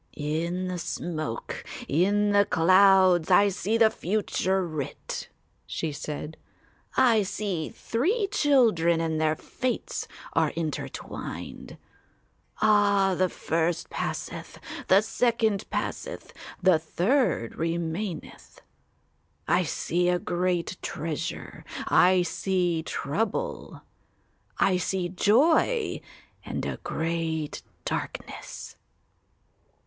"In the smoke, in the clouds, I see the future writ," she said; "I see three children and their fates are intertwined. Ah, the first passeth, the second passeth, the third remaineth. I see a great treasure. I see trouble. I see joy and a great darkness."